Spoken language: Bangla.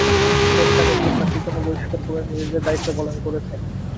বোর্ড তাঁকে তিন ম্যাচের জন্য বহিষ্কার করে নিজেদের দায়িত্ব পালন করেছে।